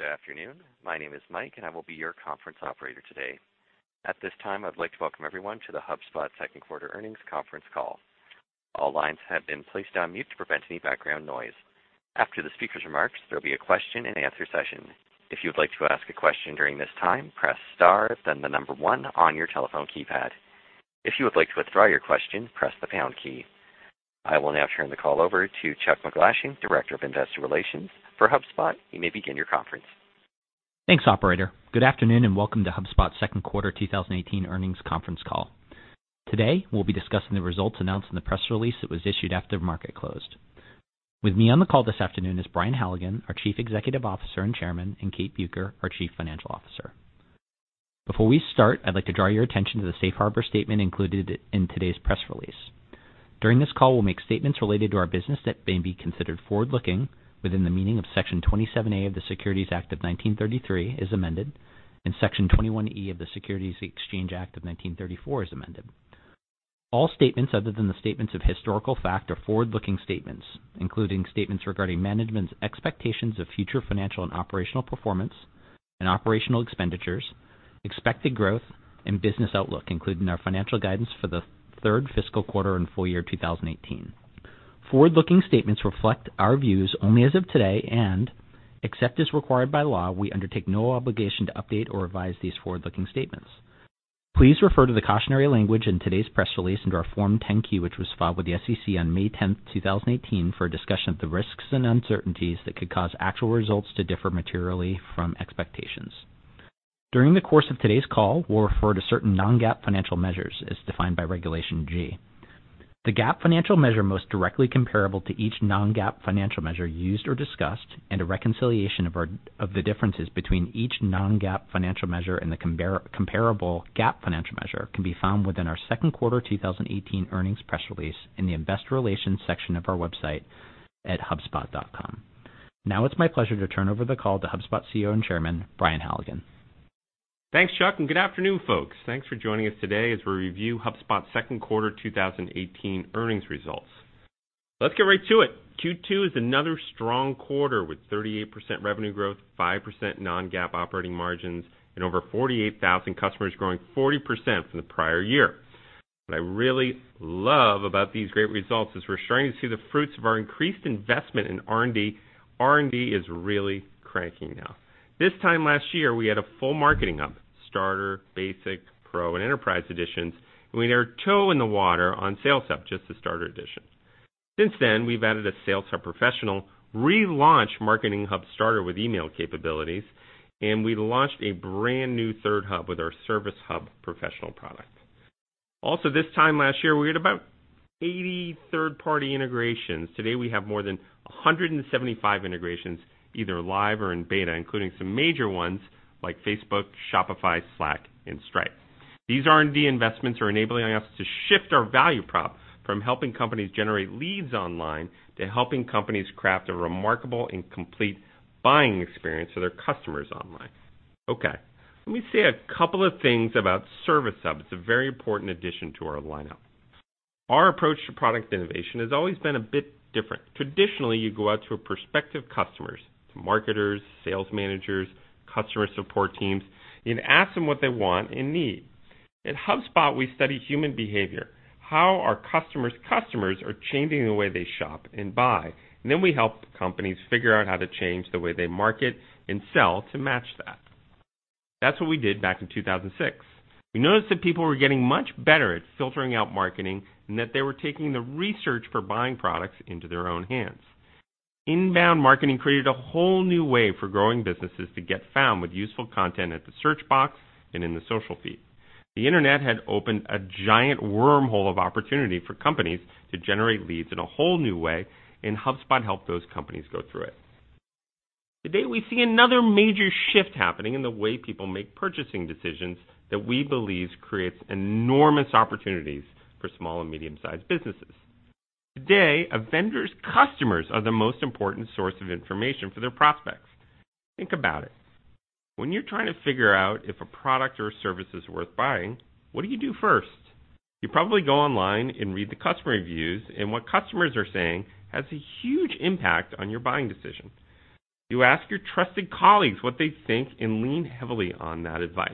Good afternoon. My name is Mike, and I will be your conference operator today. At this time, I'd like to welcome everyone to the HubSpot second quarter earnings conference call. All lines have been placed on mute to prevent any background noise. After the speaker's remarks, there will be a question-and-answer session. If you would like to ask a question during this time, press star, then the number one on your telephone keypad. If you would like to withdraw your question, press the pound key. I will now turn the call over to Chuck MacGlashing, Director of Investor Relations for HubSpot. You may begin your conference. Thanks, operator. Good afternoon. Welcome to HubSpot's second quarter 2018 earnings conference call. Today, we'll be discussing the results announced in the press release that was issued after the market closed. With me on the call this afternoon is Brian Halligan, our Chief Executive Officer and Chairman, and Kate Bueker, our Chief Financial Officer. Before we start, I'd like to draw your attention to the safe harbor statement included in today's press release. During this call, we'll make statements related to our business that may be considered forward-looking within the meaning of Section 27A of the Securities Act of 1933, as amended, and Section 21E of the Securities Exchange Act of 1934, as amended. All statements other than the statements of historical fact are forward-looking statements, including statements regarding management's expectations of future financial and operational performance and operational expenditures, expected growth, and business outlook, including our financial guidance for the third fiscal quarter and full year 2018. Forward-looking statements reflect our views only as of today. Except as required by law, we undertake no obligation to update or revise these forward-looking statements. Please refer to the cautionary language in today's press release and our Form 10-Q, which was filed with the SEC on May 10th, 2018 for a discussion of the risks and uncertainties that could cause actual results to differ materially from expectations. During the course of today's call, we'll refer to certain non-GAAP financial measures as defined by Regulation G. The GAAP financial measure most directly comparable to each non-GAAP financial measure used or discussed, and a reconciliation of the differences between each non-GAAP financial measure and the comparable GAAP financial measure can be found within our second quarter 2018 earnings press release in the investor relations section of our website at hubspot.com. Now it's my pleasure to turn over the call to HubSpot CEO and Chairman, Brian Halligan. Thanks, Chuck, and good afternoon, folks. Thanks for joining us today as we review HubSpot's second quarter 2018 earnings results. Let's get right to it. Q2 is another strong quarter with 38% revenue growth, 5% non-GAAP operating margins, and over 48,000 customers growing 40% from the prior year. What I really love about these great results is we're starting to see the fruits of our increased investment in R&D. R&D is really cranking now. This time last year, we had a full Marketing Hub, Starter, Basic, Pro, and Enterprise editions, and we had our toe in the water on Sales Hub, just the Starter edition. Since then, we've added a Sales Hub Professional, relaunched Marketing Hub Starter with email capabilities, and we launched a brand-new third hub with our Service Hub Professional product. Also, this time last year, we had about 80 third-party integrations. Today, we have more than 175 integrations, either live or in beta, including some major ones like Facebook, Shopify, Slack, and Stripe. These R&D investments are enabling us to shift our value prop from helping companies generate leads online to helping companies craft a remarkable and complete buying experience for their customers online. Okay. Let me say a couple of things about Service Hub. It's a very important addition to our lineup. Our approach to product innovation has always been a bit different. Traditionally, you go out to prospective customers, to marketers, sales managers, customer support teams, and ask them what they want and need. At HubSpot, we study human behavior, how our customers' customers are changing the way they shop and buy, and then we help companies figure out how to change the way they market and sell to match that. That's what we did back in 2006. We noticed that people were getting much better at filtering out marketing and that they were taking the research for buying products into their own hands. Inbound marketing created a whole new way for growing businesses to get found with useful content at the search box and in the social feed. The internet had opened a giant wormhole of opportunity for companies to generate leads in a whole new way, and HubSpot helped those companies go through it. Today, we see another major shift happening in the way people make purchasing decisions that we believe creates enormous opportunities for small and medium-sized businesses. Today, a vendor's customers are the most important source of information for their prospects. Think about it. When you're trying to figure out if a product or service is worth buying, what do you do first? You probably go online and read the customer reviews, and what customers are saying has a huge impact on your buying decision. You ask your trusted colleagues what they think and lean heavily on that advice.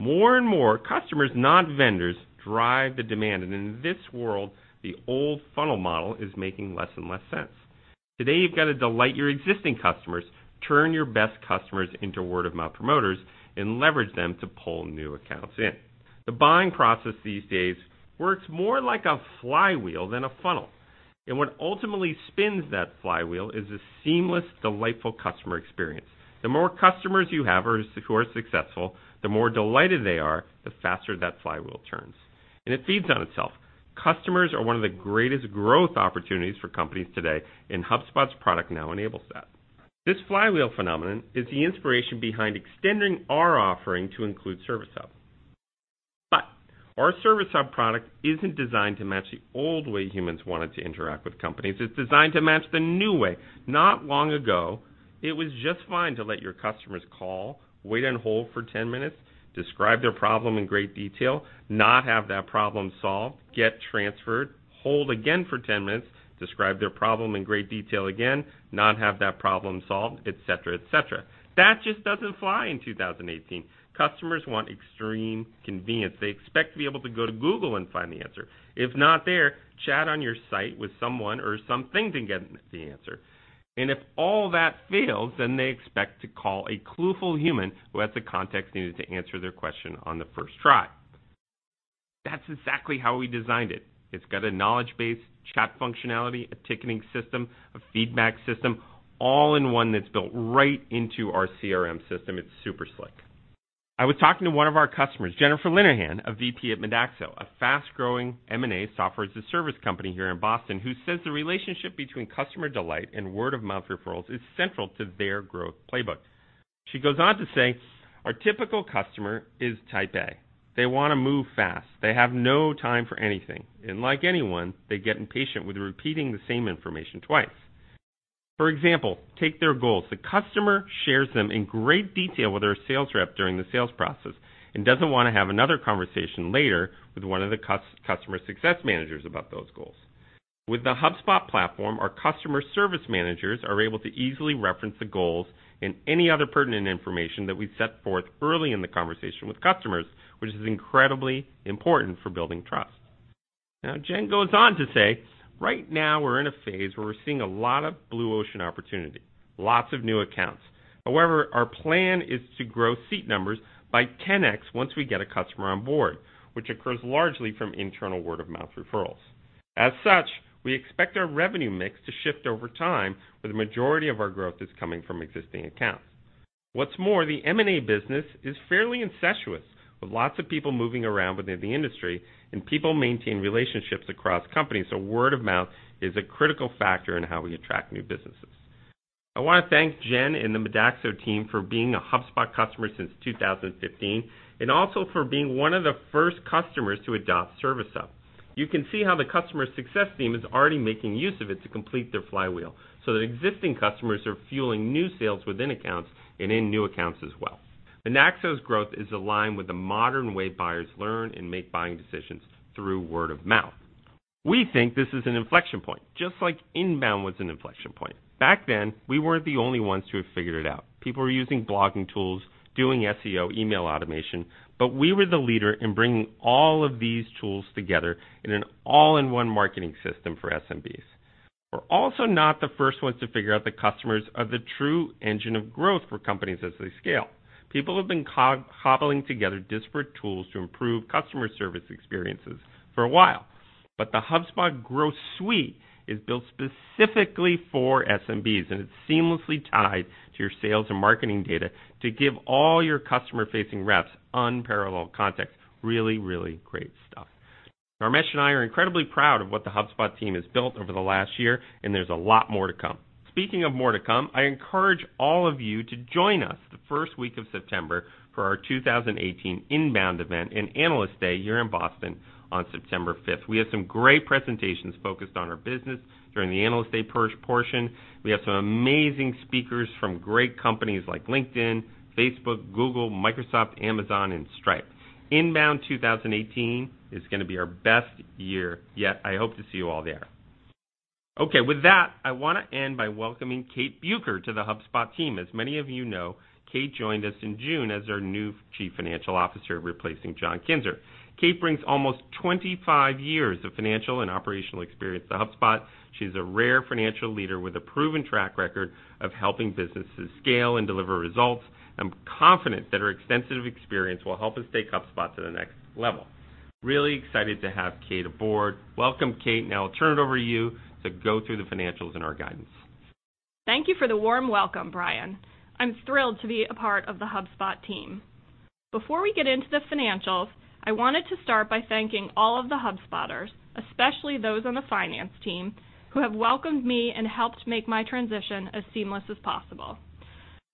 More and more, customers, not vendors, drive the demand, and in this world, the old funnel model is making less and less sense. Today, you've got to delight your existing customers, turn your best customers into word-of-mouth promoters, and leverage them to pull new accounts in. The buying process these days works more like a flywheel than a funnel, and what ultimately spins that flywheel is a seamless, delightful customer experience. The more customers you have who are successful, the more delighted they are, the faster that flywheel turns. It feeds on itself. Customers are one of the greatest growth opportunities for companies today, and HubSpot's product now enables that. This flywheel phenomenon is the inspiration behind extending our offering to include Service Hub. Our Service Hub product isn't designed to match the old way humans wanted to interact with companies. It's designed to match the new way. Not long ago it was just fine to let your customers call, wait on hold for 10 minutes, describe their problem in great detail, not have that problem solved, get transferred, hold again for 10 minutes, describe their problem in great detail again, not have that problem solved, et cetera. That just doesn't fly in 2018. Customers want extreme convenience. They expect to be able to go to Google and find the answer. If not there, chat on your site with someone or something to get the answer. If all that fails, then they expect to call a clueful human who has the context needed to answer their question on the first try. That's exactly how we designed it. It's got a knowledge base, chat functionality, a ticketing system, a feedback system, all in one that's built right into our CRM system. It's super slick. I was talking to one of our customers, Jennifer Linehan, a VP at Midaxo, a fast-growing M&A SaaS company here in Boston, who says the relationship between customer delight and word-of-mouth referrals is central to their growth playbook. She goes on to say, "Our typical customer is Type A. They want to move fast. They have no time for anything. Like anyone, they get impatient with repeating the same information twice. For example, take their goals. The customer shares them in great detail with their sales rep during the sales process and doesn't want to have another conversation later with one of the customer success managers about those goals. With the HubSpot platform, our customer service managers are able to easily reference the goals and any other pertinent information that we set forth early in the conversation with customers, which is incredibly important for building trust. Jen goes on to say, "Right now, we're in a phase where we're seeing a lot of blue ocean opportunity, lots of new accounts. However, our plan is to grow seat numbers by 10X once we get a customer on board, which occurs largely from internal word-of-mouth referrals. As such, we expect our revenue mix to shift over time, where the majority of our growth is coming from existing accounts. The M&A business is fairly incestuous, with lots of people moving around within the industry, and people maintain relationships across companies, so word of mouth is a critical factor in how we attract new businesses. I want to thank Jen and the Midaxo team for being a HubSpot customer since 2015, and also for being one of the first customers to adopt Service Hub. You can see how the customer success team is already making use of it to complete their flywheel, so that existing customers are fueling new sales within accounts and in new accounts as well. Midaxo's growth is aligned with the modern way buyers learn and make buying decisions through word of mouth. We think this is an inflection point, just like inbound was an inflection point. Back then, we weren't the only ones who had figured it out. People were using blogging tools, doing SEO, email automation. We were the leader in bringing all of these tools together in an all-in-one marketing system for SMBs. We're also not the first ones to figure out that customers are the true engine of growth for companies as they scale. People have been cobbling together disparate tools to improve customer service experiences for a while, but the HubSpot Growth Suite is built specifically for SMBs, and it's seamlessly tied to your sales and marketing data to give all your customer-facing reps unparalleled context. Really, really great stuff. Dharmesh and I are incredibly proud of what the HubSpot team has built over the last year, and there's a lot more to come. Speaking of more to come, I encourage all of you to join us the first week of September for our 2018 INBOUND event and Analyst Day here in Boston on September 5th. We have some great presentations focused on our business during the Analyst Day portion. We have some amazing speakers from great companies like LinkedIn, Facebook, Google, Microsoft, Amazon, and Stripe. INBOUND 2018 is going to be our best year yet. I hope to see you all there. With that, I want to end by welcoming Kate Bueker to the HubSpot team. As many of you know, Kate joined us in June as our new Chief Financial Officer, replacing John Kinzer. Kate brings almost 25 years of financial and operational experience to HubSpot. She's a rare financial leader with a proven track record of helping businesses scale and deliver results. I'm confident that her extensive experience will help us take HubSpot to the next level. Really excited to have Kate aboard. Welcome, Kate, and I'll turn it over to you to go through the financials and our guidance. Thank you for the warm welcome, Brian. I'm thrilled to be a part of the HubSpot team. Before we get into the financials, I wanted to start by thanking all of the HubSpotters, especially those on the finance team, who have welcomed me and helped make my transition as seamless as possible.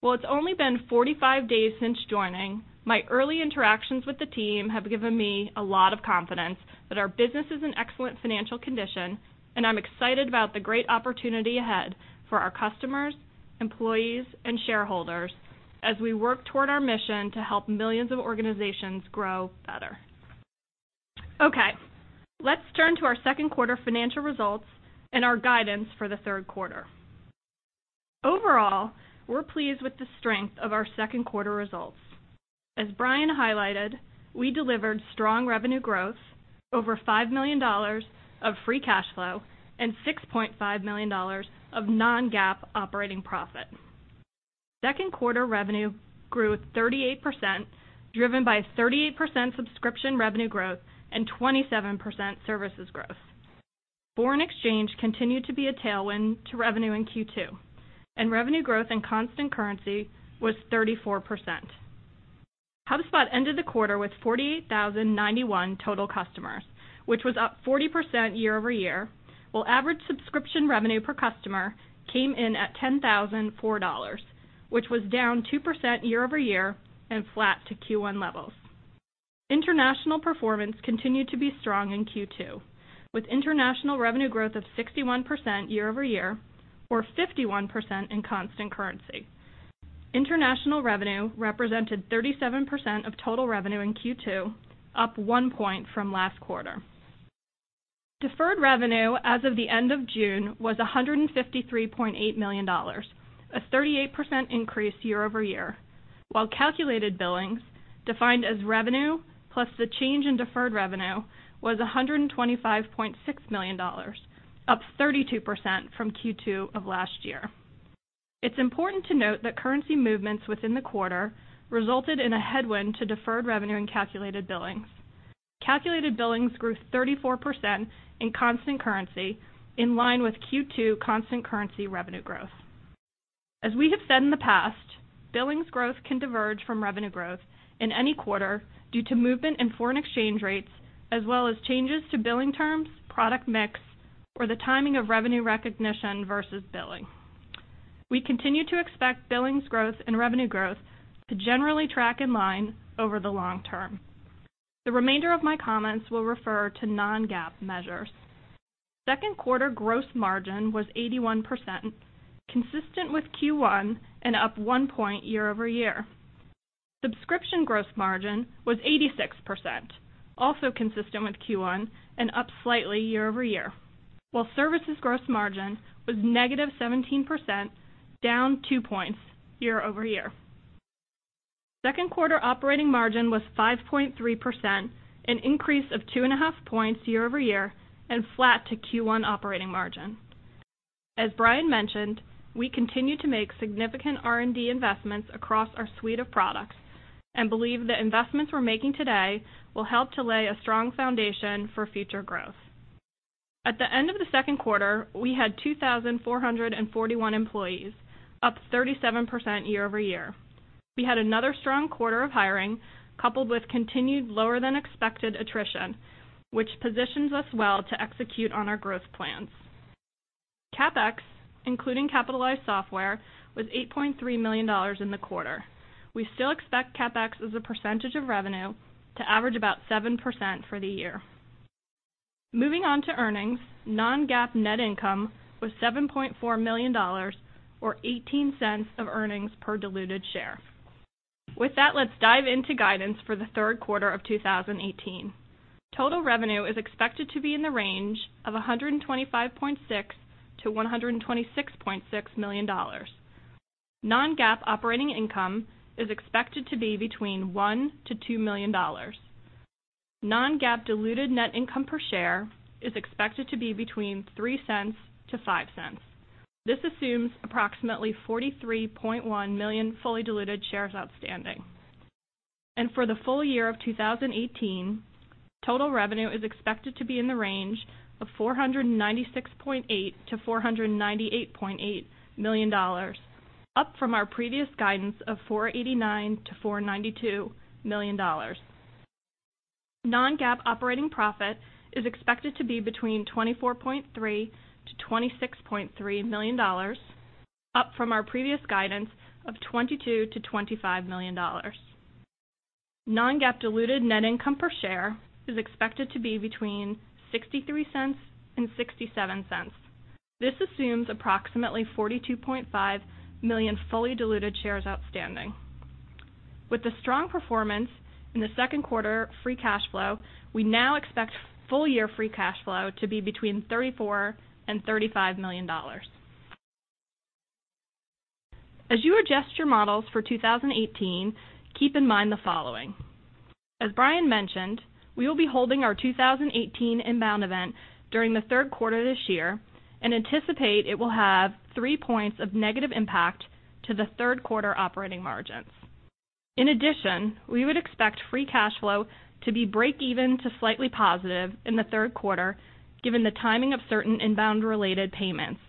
While it's only been 45 days since joining, my early interactions with the team have given me a lot of confidence that our business is in excellent financial condition, and I'm excited about the great opportunity ahead for our customers, employees, and shareholders as we work toward our mission to help millions of organizations grow better. Let's turn to our second quarter financial results and our guidance for the third quarter. Overall, we're pleased with the strength of our second quarter results. As Brian highlighted, we delivered strong revenue growth, over $5 million of free cash flow, and $6.5 million of non-GAAP operating profit. Second quarter revenue grew 38%, driven by 38% subscription revenue growth and 27% services growth. Foreign exchange continued to be a tailwind to revenue in Q2, and revenue growth in constant currency was 34%. HubSpot ended the quarter with 48,091 total customers, which was up 40% year-over-year, while average subscription revenue per customer came in at $10,004, which was down 2% year-over-year and flat to Q1 levels. International performance continued to be strong in Q2, with international revenue growth of 61% year-over-year or 51% in constant currency. International revenue represented 37% of total revenue in Q2, up one point from last quarter. Deferred revenue as of the end of June was $153.8 million, a 38% increase year-over-year. While calculated billings, defined as revenue plus the change in deferred revenue, was $125.6 million, up 32% from Q2 of last year. It's important to note that currency movements within the quarter resulted in a headwind to deferred revenue and calculated billings. Calculated billings grew 34% in constant currency, in line with Q2 constant currency revenue growth. As we have said in the past, billings growth can diverge from revenue growth in any quarter due to movement in foreign exchange rates as well as changes to billing terms, product mix, or the timing of revenue recognition versus billing. We continue to expect billings growth and revenue growth to generally track in line over the long term. The remainder of my comments will refer to non-GAAP measures. Second quarter gross margin was 81%, consistent with Q1 and up one point year-over-year. Subscription gross margin was 86%, also consistent with Q1 and up slightly year-over-year. While services gross margin was negative 17%, down two points year-over-year. Second quarter operating margin was 5.3%, an increase of two and a half points year-over-year and flat to Q1 operating margin. As Brian mentioned, we continue to make significant R&D investments across our suite of products and believe the investments we're making today will help to lay a strong foundation for future growth. At the end of the second quarter, we had 2,441 employees, up 37% year-over-year. We had another strong quarter of hiring, coupled with continued lower-than-expected attrition, which positions us well to execute on our growth plans. CapEx, including capitalized software, was $8.3 million in the quarter. We still expect CapEx as a percentage of revenue to average about 7% for the year. Moving on to earnings, non-GAAP net income was $7.4 million, or $0.18 of earnings per diluted share. With that, let's dive into guidance for the third quarter of 2018. Total revenue is expected to be in the range of $125.6 million-$126.6 million. Non-GAAP operating income is expected to be between $1 million-$2 million. Non-GAAP diluted net income per share is expected to be between $0.03-$0.05. This assumes approximately 43.1 million fully diluted shares outstanding. For the full year of 2018, total revenue is expected to be in the range of $496.8 million-$498.8 million, up from our previous guidance of $489 million-$492 million. Non-GAAP operating profit is expected to be between $24.3 million-$26.3 million, up from our previous guidance of $22 million-$25 million. Non-GAAP diluted net income per share is expected to be between $0.63 and $0.67. This assumes approximately 42.5 million fully diluted shares outstanding. With the strong performance in the second quarter free cash flow, we now expect full year free cash flow to be between $34 million and $35 million. As you adjust your models for 2018, keep in mind the following. As Brian mentioned, we will be holding our 2018 INBOUND event during the third quarter this year and anticipate it will have three points of negative impact to the third quarter operating margins. In addition, we would expect free cash flow to be break even to slightly positive in the third quarter given the timing of certain INBOUND-related payments.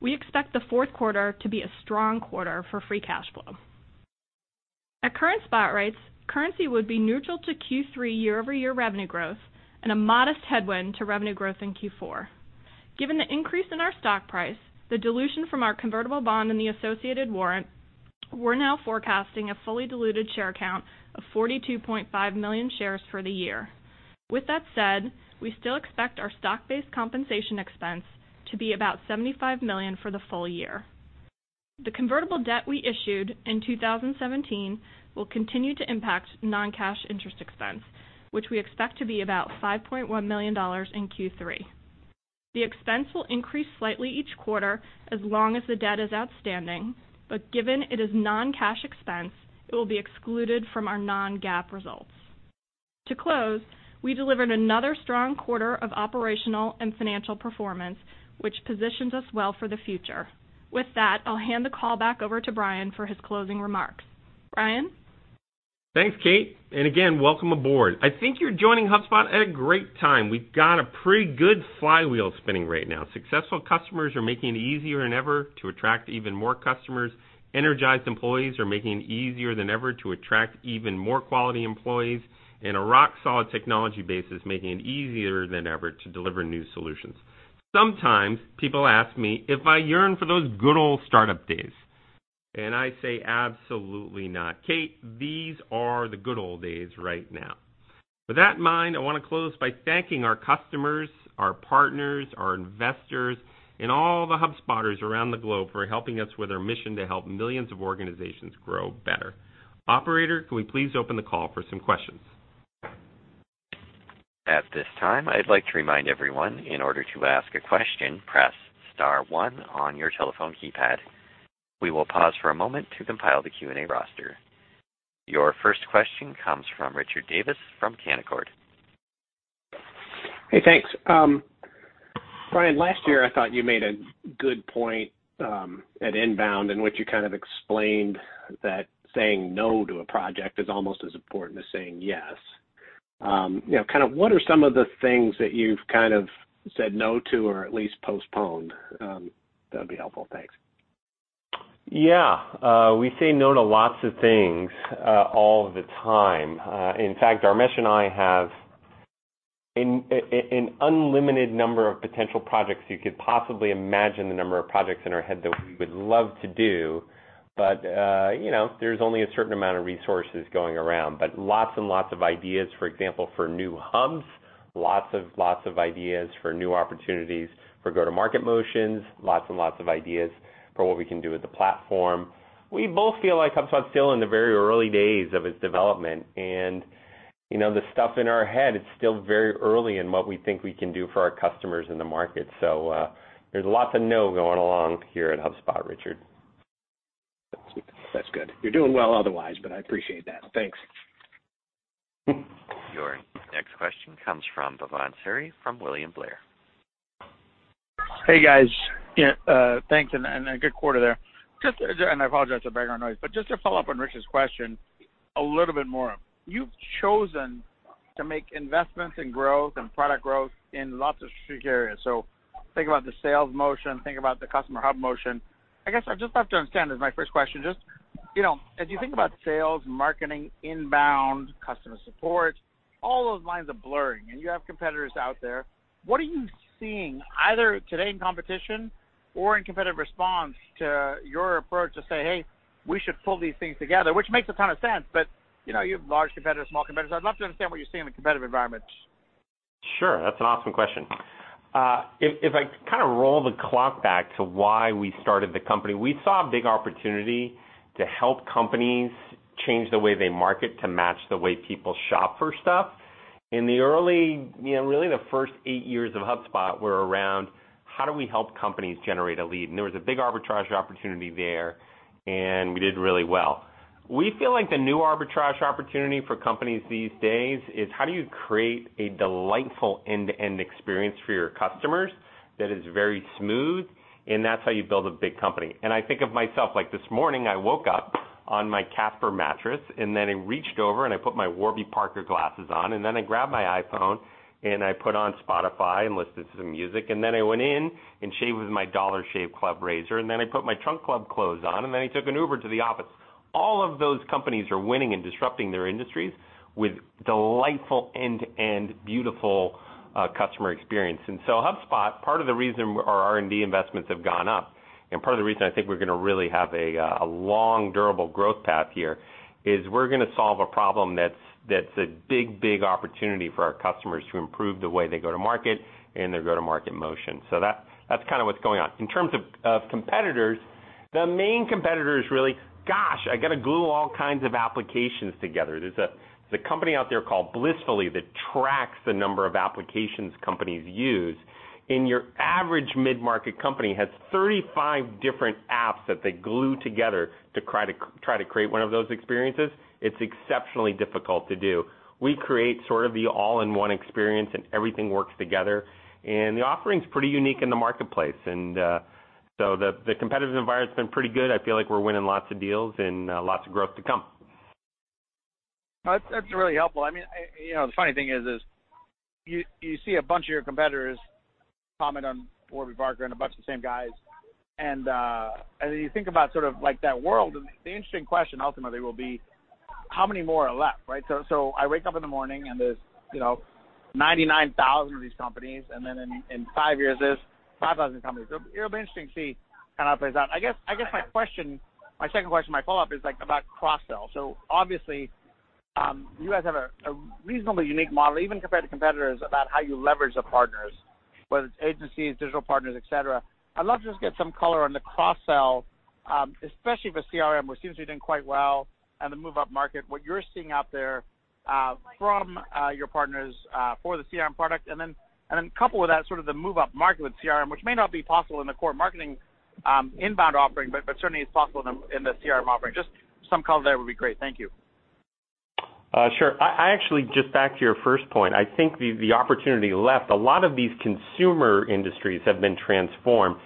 We expect the fourth quarter to be a strong quarter for free cash flow. At current spot rates, currency would be neutral to Q3 year-over-year revenue growth and a modest headwind to revenue growth in Q4. Given the increase in our stock price, the dilution from our convertible bond and the associated warrant, we're now forecasting a fully diluted share count of 42.5 million shares for the year. With that said, we still expect our stock-based compensation expense to be about $75 million for the full year. The convertible debt we issued in 2017 will continue to impact non-cash interest expense, which we expect to be about $5.1 million in Q3. The expense will increase slightly each quarter as long as the debt is outstanding, but given it is non-cash expense, it will be excluded from our non-GAAP results. To close, we delivered another strong quarter of operational and financial performance, which positions us well for the future. With that, I'll hand the call back over to Brian for his closing remarks. Brian? Thanks, Kate, again, welcome aboard. I think you're joining HubSpot at a great time. We've got a pretty good flywheel spinning right now. Successful customers are making it easier than ever to attract even more customers, energized employees are making it easier than ever to attract even more quality employees, and a rock-solid technology base is making it easier than ever to deliver new solutions. Sometimes people ask me if I yearn for those good old startup days. I say, absolutely not. Kate, these are the good old days right now. With that in mind, I want to close by thanking our customers, our partners, our investors, and all the HubSpotters around the globe for helping us with our mission to help millions of organizations grow better. Operator, can we please open the call for some questions? At this time, I'd like to remind everyone, in order to ask a question, press *1 on your telephone keypad. We will pause for a moment to compile the Q&A roster. Your first question comes from Richard Davis from Canaccord. Hey, thanks. Brian, last year, I thought you made a good point at INBOUND, in which you kind of explained that saying no to a project is almost as important as saying yes. What are some of the things that you've kind of said no to or at least postponed? That'd be helpful. Thanks. Yeah. We say no to lots of things all the time. In fact, Dharmesh and I have an unlimited number of potential projects. You could possibly imagine the number of projects in our head that we would love to do. There's only a certain amount of resources going around. Lots and lots of ideas, for example, for new hubs, lots of ideas for new opportunities for go-to-market motions, lots and lots of ideas for what we can do with the platform. We both feel like HubSpot's still in the very early days of its development, and the stuff in our head, it's still very early in what we think we can do for our customers in the market. There's lots of no going along here at HubSpot, Richard. That's good. You're doing well otherwise. I appreciate that. Thanks. Your next question comes from Bhavan Suri from William Blair. Hey, guys. Thanks. A good quarter there. I apologize for the background noise. Just to follow up on Richard's question a little bit more, you've chosen to make investments in growth and product growth in lots of strategic areas. Think about the Sales Hub motion, think about the Service Hub motion. I guess I'd just love to understand as my first question, just as you think about sales, marketing, INBOUND, customer support, all those lines are blurring, and you have competitors out there, what are you seeing either today in competition or in competitive response to your approach to say, "Hey, we should pull these things together," which makes a ton of sense. You have large competitors, small competitors. I'd love to understand what you're seeing in the competitive environment. Sure. That's an awesome question. If I kind of roll the clock back to why we started the company, we saw a big opportunity to help companies change the way they market to match the way people shop for stuff. In the early, really the first eight years of HubSpot were around how do we help companies generate a lead? There was a big arbitrage opportunity there, and we did really well. We feel like the new arbitrage opportunity for companies these days is how do you create a delightful end-to-end experience for your customers that is very smooth, and that's how you build a big company. I think of myself, like this morning, I woke up on my Casper mattress. Then I reached over, and I put my Warby Parker glasses on. Then I grabbed my iPhone, and I put on Spotify and listened to some music. Then I went in and shaved with my Dollar Shave Club razor. Then I put my Trunk Club clothes on. Then I took an Uber to the office. All of those companies are winning and disrupting their industries with delightful end-to-end beautiful customer experience. HubSpot, part of the reason our R&D investments have gone up, and part of the reason I think we're going to really have a long, durable growth path here is we're going to solve a problem that's a big, big opportunity for our customers to improve the way they go to market and their go-to-market motion. That's kind of what's going on. In terms of competitors, the main competitor is really, gosh, I got to glue all kinds of applications together. There's a company out there called Blissfully that tracks the number of applications companies use, and your average mid-market company has 35 different apps that they glue together to try to create one of those experiences. It's exceptionally difficult to do. We create sort of the all-in-one experience, and everything works together, the offering's pretty unique in the marketplace, the competitive environment's been pretty good. I feel like we're winning lots of deals and lots of growth to come. That's really helpful. The funny thing is you see a bunch of your competitors comment on Warby Parker and a bunch of the same guys, you think about sort of like that world, and the interesting question ultimately will be how many more are left, right? I wake up in the morning, and there's 99,000 of these companies, and then in five years, there's 5,000 companies. It'll be interesting to see how that plays out. I guess my second question, my follow-up is like about cross-sell. Obviously, you guys have a reasonably unique model, even compared to competitors, about how you leverage the partners, whether it's agencies, digital partners, et cetera. I'd love to just get some color on the cross-sell, especially with CRM, which seems to be doing quite well, and the move-up market, what you're seeing out there from your partners for the CRM product, couple with that sort of the move-up market with CRM, which may not be possible in the core Marketing Hub inbound offering, but certainly is possible in the CRM offering. Just some color there would be great. Thank you. Sure. I actually, just back to your first point, I think the opportunity left, a lot of these consumer industries have been transformed.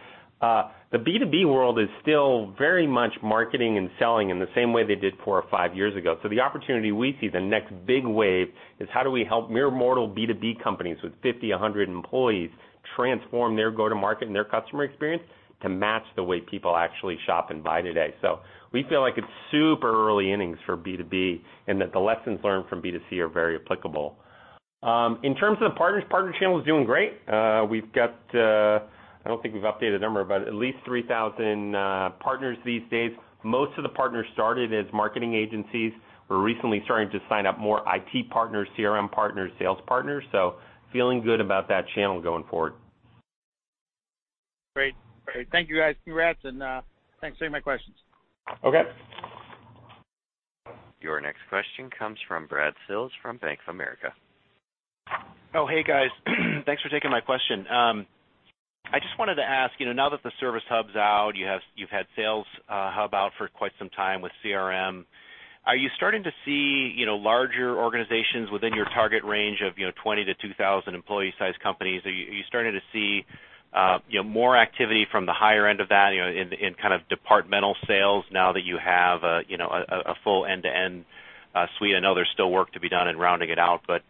The B2B world is still very much marketing and selling in the same way they did four or five years ago. The opportunity we see, the next big wave, is how do we help mere mortal B2B companies with 50, 100 employees transform their go-to-market and their customer experience to match the way people actually shop and buy today? We feel like it's super early innings for B2B and that the lessons learned from B2C are very applicable. In terms of partners, partner channel is doing great. I don't think we've updated the number, but at least 3,000 partners these days. Most of the partners started as marketing agencies. We're recently starting to sign up more IT partners, CRM partners, sales partners, so feeling good about that channel going forward. Great. Thank you, guys. Congrats and thanks for taking my questions. Okay. Your next question comes from Brad Sills from Bank of America. Oh, hey guys. Thanks for taking my question. I just wanted to ask, now that the Service Hub's out, you've had Sales Hub out for quite some time with CRM, are you starting to see larger organizations within your target range of 20 to 2,000 employee-sized companies? Are you starting to see more activity from the higher end of that, in kind of departmental sales now that you have a full end-to-end suite? I know there's still work to be done in rounding it out, but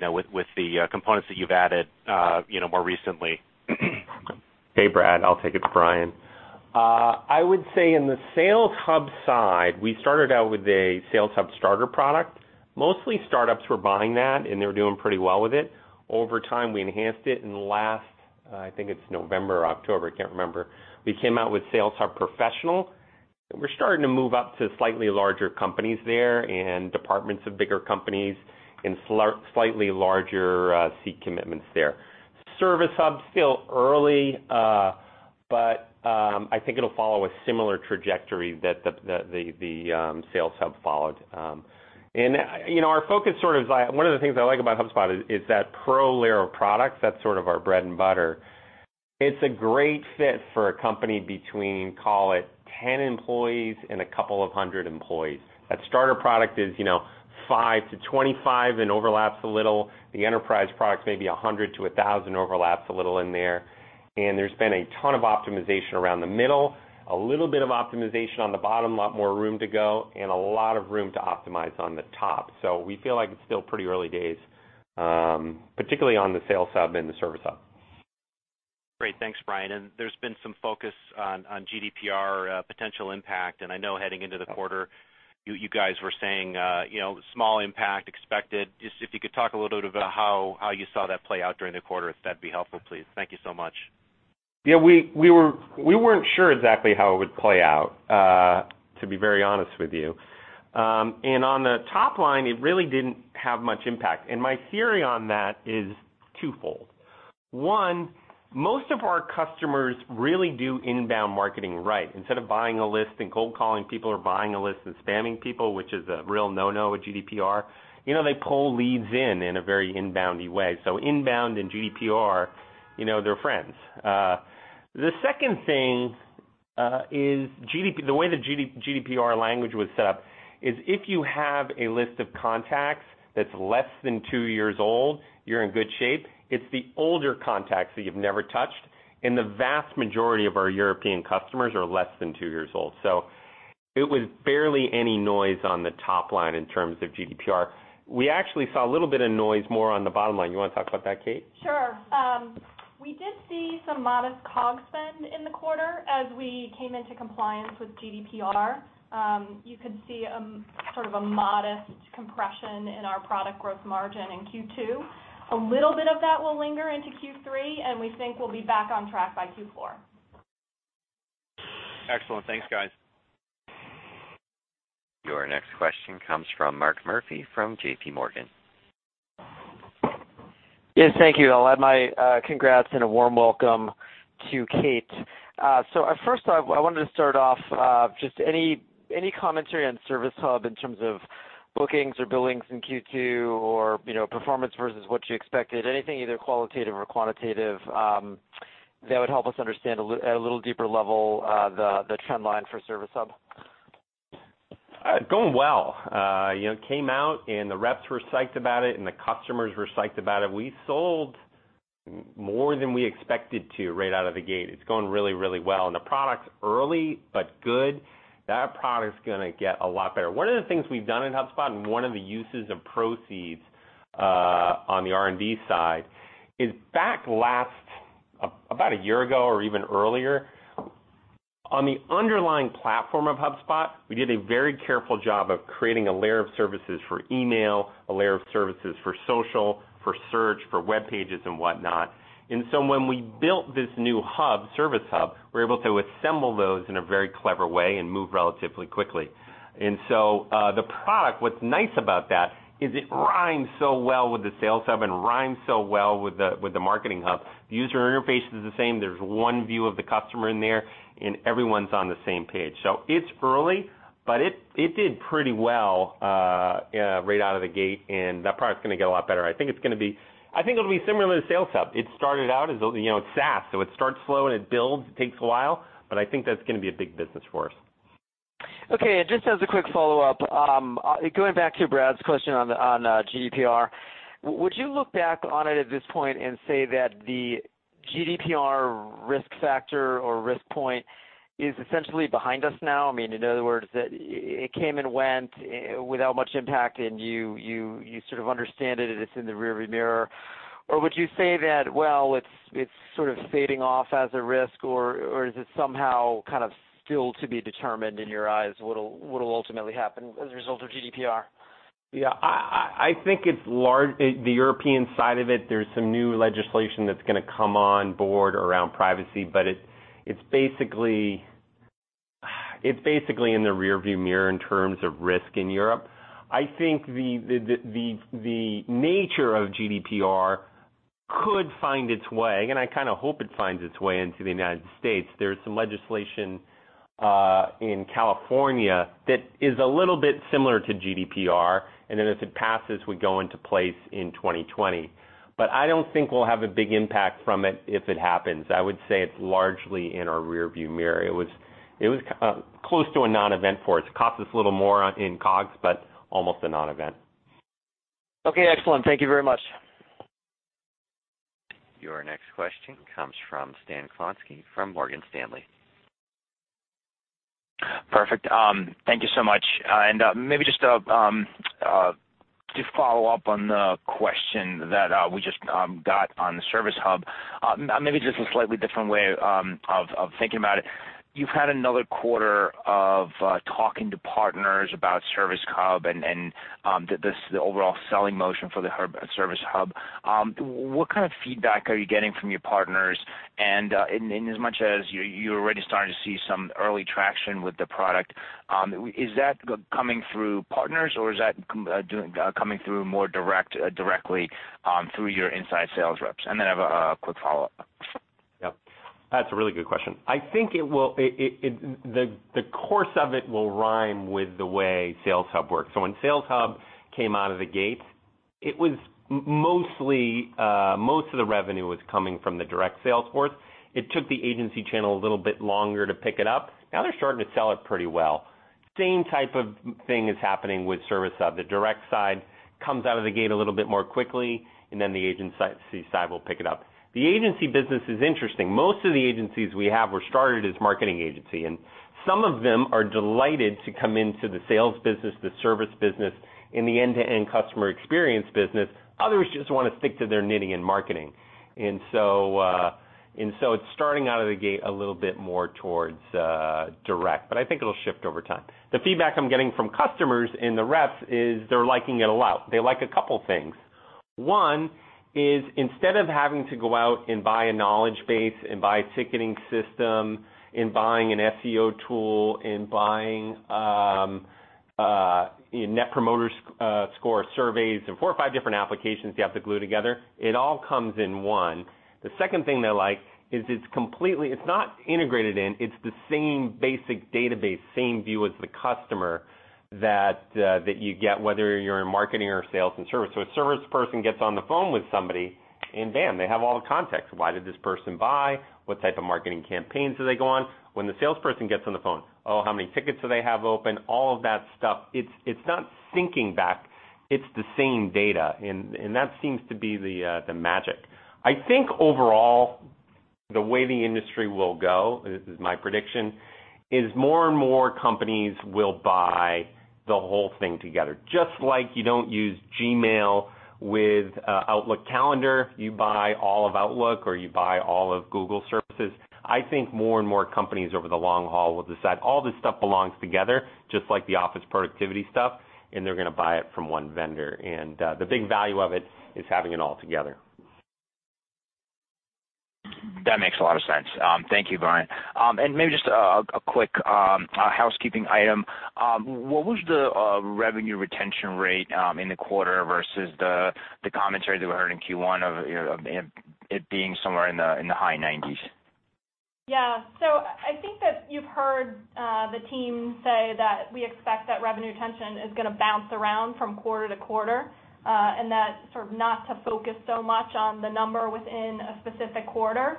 with the components that you've added more recently. Hey, Brad. I'll take it. Brian. I would say in the Sales Hub side, we started out with a Sales Hub Starter product. Mostly startups were buying that, and they were doing pretty well with it. Over time, we enhanced it, and last, I think it's November or October, I can't remember, we came out with Sales Hub Professional, and we're starting to move up to slightly larger companies there, and departments of bigger companies, and slightly larger seat commitments there. Service Hub's still early, but I think it'll follow a similar trajectory that the Sales Hub followed. One of the things I like about HubSpot is that pro layer of products. That's sort of our bread and butter. It's a great fit for a company between, call it, 10 employees and a couple of hundred employees. That Starter product is five to 25 and overlaps a little. The enterprise product's maybe 100 to 1,000, overlaps a little in there. There's been a ton of optimization around the middle, a little bit of optimization on the bottom, a lot more room to go, and a lot of room to optimize on the top. We feel like it's still pretty early days, particularly on the Sales Hub and the Service Hub. Great. Thanks, Brian. There's been some focus on GDPR potential impact, and I know heading into the quarter, you guys were saying small impact expected. Just if you could talk a little bit about how you saw that play out during the quarter, if that'd be helpful, please. Thank you so much. Yeah, we weren't sure exactly how it would play out, to be very honest with you. On the top line, it really didn't have much impact. My theory on that is twofold. One, most of our customers really do inbound marketing right. Instead of buying a list and cold calling people or buying a list and spamming people, which is a real no-no with GDPR, they pull leads in in a very inbound-y way. Inbound and GDPR, they're friends. The second thing is the way the GDPR language was set up is if you have a list of contacts that's less than two years old, you're in good shape. It's the older contacts that you've never touched, and the vast majority of our European customers are less than two years old. It was barely any noise on the top line in terms of GDPR. We actually saw a little bit of noise more on the bottom line. You want to talk about that, Kate? Sure. We did see some modest COGS spend in the quarter as we came into compliance with GDPR. You could see sort of a modest compression in our product growth margin in Q2. A little bit of that will linger into Q3, we think we'll be back on track by Q4. Excellent. Thanks, guys. Your next question comes from Mark Murphy from J.P. Morgan. Yes. Thank you. I'll add my congrats and a warm welcome to Kate. First off, I wanted to start off, just any commentary on Service Hub in terms of bookings or billings in Q2 or performance versus what you expected, anything either qualitative or quantitative that would help us understand at a little deeper level, the trend line for Service Hub? Going well. Came out the reps were psyched about it, the customers were psyched about it. We sold more than we expected to right out of the gate. It's going really, really well, the product's early but good. That product's going to get a lot better. One of the things we've done at HubSpot, one of the uses of proceeds on the R&D side is back about a year ago or even earlier, on the underlying platform of HubSpot, we did a very careful job of creating a layer of services for email, a layer of services for social, for search, for webpages, and whatnot. When we built this new hub, Service Hub, we were able to assemble those in a very clever way and move relatively quickly. The product, what's nice about that is it rhymes so well with the Sales Hub and rhymes so well with the Marketing Hub. The user interface is the same. There's one view of the customer in there, everyone's on the same page. It's early, it did pretty well right out of the gate, that product's going to get a lot better. I think it'll be similar to Sales Hub. It started out as It's SaaS, it starts slow, it builds. It takes a while, I think that's going to be a big business for us. Okay. Just as a quick follow-up, going back to Brad's question on GDPR, would you look back on it at this point and say that the GDPR risk factor or risk point is essentially behind us now? I mean, in other words, it came and went without much impact, you sort of understand it's in the rearview mirror? Would you say that, well, it's sort of fading off as a risk, is it somehow kind of still to be determined in your eyes what'll ultimately happen as a result of GDPR? Yeah, I think the European side of it, there's some new legislation that's going to come on board around privacy, but it's basically in the rear view mirror in terms of risk in Europe. I think the nature of GDPR could find its way, and I kind of hope it finds its way, into the United States. There's some legislation in California that is a little bit similar to GDPR. Then if it passes, would go into place in 2020. I don't think we'll have a big impact from it if it happens. I would say it's largely in our rear view mirror. It was close to a non-event for us. Cost us a little more in COGS, almost a non-event. Okay, excellent. Thank you very much. Your next question comes from Stan Zlotsky from Morgan Stanley. Perfect. Thank you so much. Maybe just to follow up on the question that we just got on the Service Hub, maybe just a slightly different way of thinking about it. You've had another quarter of talking to partners about Service Hub and the overall selling motion for the Service Hub. What kind of feedback are you getting from your partners? Inasmuch as you're already starting to see some early traction with the product, is that coming through partners or is that coming through more directly through your inside sales reps? I have a quick follow-up. Yep. That's a really good question. I think the course of it will rhyme with the way Sales Hub works. When Sales Hub came out of the gates, most of the revenue was coming from the direct sales force. It took the agency channel a little bit longer to pick it up. Now they're starting to sell it pretty well. Same type of thing is happening with Service Hub. The direct side comes out of the gate a little bit more quickly, and then the agency side will pick it up. The agency business is interesting. Most of the agencies we have were started as marketing agency, and some of them are delighted to come into the sales business, the service business, and the end-to-end customer experience business. Others just want to stick to their knitting and marketing. It's starting out of the gate a little bit more towards direct, but I think it'll shift over time. The feedback I'm getting from customers and the reps is they're liking it a lot. They like two things. One is instead of having to go out and buy a knowledge base and buy a ticketing system and buying an SEO tool and buying a Net Promoter Score surveys, and four or five different applications you have to glue together, it all comes in one. The second thing they like is it's not integrated in, it's the same basic database, same view as the customer that you get, whether you're in marketing or sales and service. A service person gets on the phone with somebody, and bam, they have all the context. Why did this person buy? What type of marketing campaigns do they go on? When the salesperson gets on the phone, how many tickets do they have open? All of that stuff. It's not syncing back. It's the same data, that seems to be the magic. I think overall, the way the industry will go, this is my prediction, is more and more companies will buy the whole thing together. Just like you don't use Gmail with Outlook Calendar, you buy all of Outlook or you buy all of Google services. I think more and more companies over the long haul will decide all this stuff belongs together, just like the Office productivity stuff, and they're going to buy it from one vendor. The big value of it is having it all together. That makes a lot of sense. Thank you, Brian. Maybe just a quick housekeeping item. What was the revenue retention rate in the quarter versus the commentary that we heard in Q1 of it being somewhere in the high 90s? Yeah. I think that you've heard the team say that we expect that revenue retention is going to bounce around from quarter to quarter, and that sort of not to focus so much on the number within a specific quarter.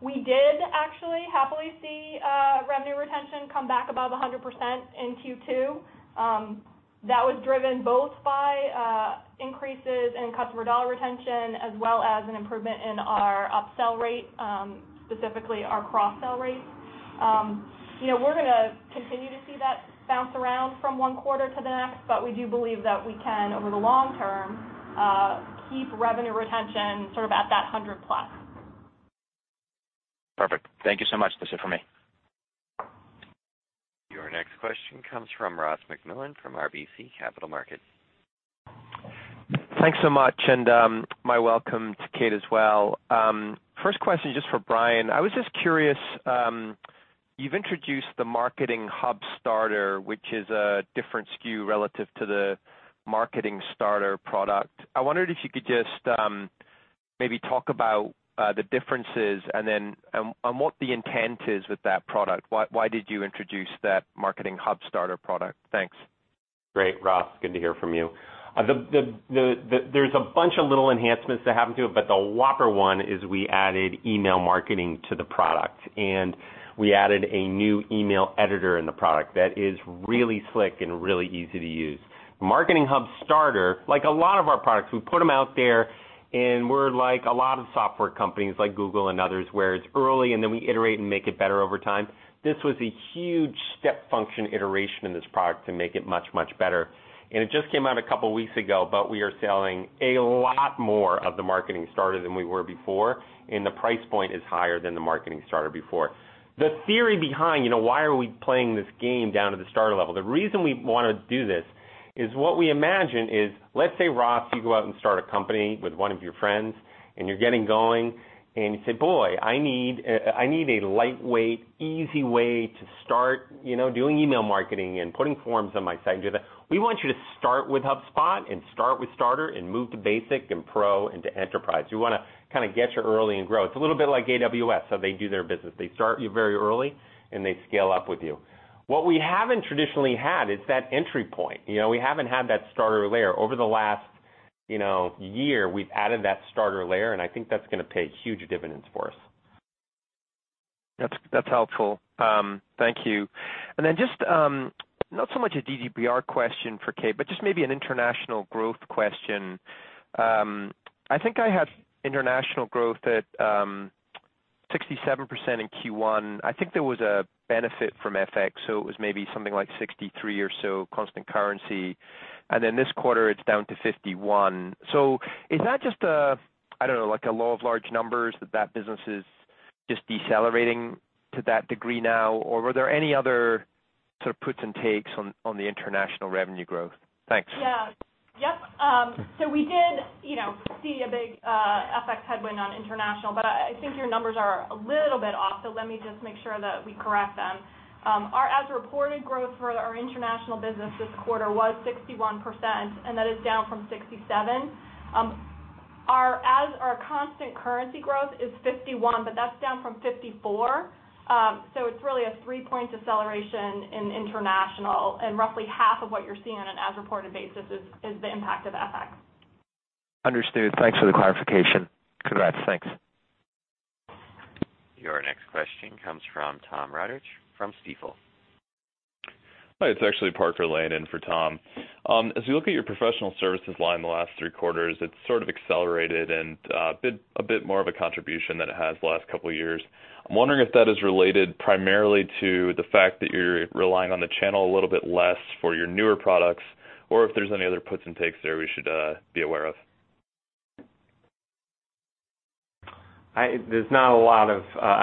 We did actually happily see revenue retention come back above 100% in Q2. That was driven both by increases in customer dollar retention as well as an improvement in our upsell rate, specifically our cross-sell rate. We're going to continue to see that bounce around from one quarter to the next, but we do believe that we can, over the long term, keep revenue retention sort of at that 100 plus. Perfect. Thank you so much. That's it for me. Your next question comes from Ross MacMillan from RBC Capital Markets. Thanks so much, and my welcome to Kate as well. First question is just for Brian. I was just curious, you've introduced the Marketing Hub Starter, which is a different SKU relative to the Marketing Starter product. I wondered if you could just maybe talk about the differences and what the intent is with that product. Why did you introduce that Marketing Hub Starter product? Thanks. Great, Ross. Good to hear from you. There's a bunch of little enhancements that happened to it, but the whopper one is we added email marketing to the product, and we added a new email editor in the product that is really slick and really easy to use. Marketing Hub Starter, like a lot of our products, we put them out there, and we're like a lot of software companies, like Google and others, where it's early, and then we iterate and make it better over time. This was a huge step function iteration in this product to make it much, much better. It just came out a couple of weeks ago, but we are selling a lot more of the Marketing Starter than we were before, and the price point is higher than the Marketing Starter before. The theory behind, why are we playing this game down to the Starter level, the reason we want to do this is what we imagine is, let's say, Ross, you go out and start a company with one of your friends, and you're getting going, and you say, "Boy, I need a lightweight, easy way to start doing email marketing and putting forms on my site," and do that. We want you to start with HubSpot and start with Starter and move to Basic and Pro into Enterprise. We want to kind of get you early and grow. It's a little bit like AWS, how they do their business. They start you very early, and they scale up with you. What we haven't traditionally had is that entry point. We haven't had that Starter layer. Over the last year, we've added that Starter layer. I think that's going to pay huge dividends for us. That's helpful. Thank you. Then just, not so much a GDPR question for Kate, but just maybe an international growth question. I think I had international growth at 67% in Q1. I think there was a benefit from FX, so it was maybe something like 63 or so constant currency. This quarter, it's down to 51. Is that just a, I don't know, like a law of large numbers that business is just decelerating to that degree now, or were there any other sort of puts and takes on the international revenue growth? Thanks. Yeah. We did see a big FX headwind on international, but I think your numbers are a little bit off, so let me just make sure that we correct them. Our as-reported growth for our international business this quarter was 61%, and that is down from 67%. Our constant currency growth is 51%, but that's down from 54%. It's really a three-point deceleration in international, and roughly half of what you're seeing on an as-reported basis is the impact of FX. Understood. Thanks for the clarification. Congrats. Thanks. Your next question comes from Tom Roderick from Stifel. Hi, it's actually Parker Lane in for Tom. As we look at your professional services line the last three quarters, it's sort of accelerated and a bit more of a contribution than it has the last couple of years. I'm wondering if that is related primarily to the fact that you're relying on the channel a little bit less for your newer products, or if there's any other puts and takes there we should be aware of. I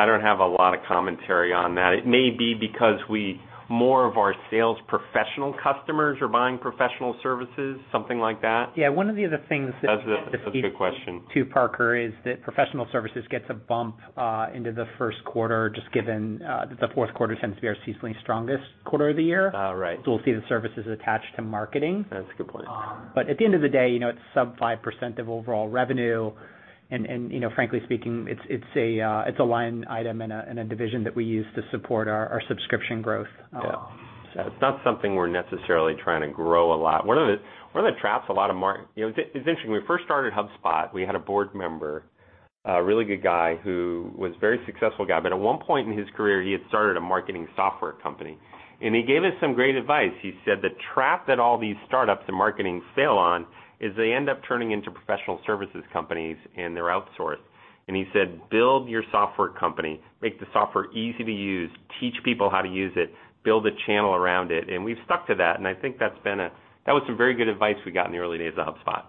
don't have a lot of commentary on that. It may be because more of our sales professional customers are buying professional services, something like that. Yeah, one of the other things that. That's a good question. To Parker is that professional services gets a bump into the first quarter, just given that the fourth quarter tends to be our seasonally strongest quarter of the year. Oh, right. We'll see the services attached to marketing. That's a good point. At the end of the day, it's sub 5% of overall revenue, and frankly speaking, it's a line item in a division that we use to support our subscription growth. It's not something we're necessarily trying to grow a lot. It's interesting, when we first started HubSpot, we had a board member, a really good guy who was a very successful guy, but at one point in his career, he had started a marketing software company, and he gave us some great advice. He said, "The trap that all these startups in marketing fail on is they end up turning into professional services companies, and they're outsourced." He said, "Build your software company, make the software easy to use, teach people how to use it, build a channel around it." We've stuck to that, and I think that was some very good advice we got in the early days of HubSpot.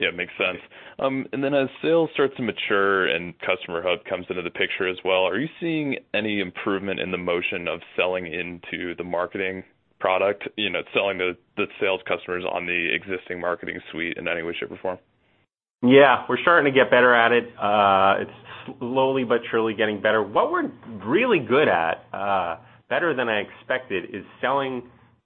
It makes sense. Then as sales starts to mature and Service Hub comes into the picture as well, are you seeing any improvement in the motion of selling into the marketing product, selling the sales customers on the existing marketing suite in any way, shape, or form? We're starting to get better at it. It's slowly but surely getting better. What we're really good at, better than I expected, is selling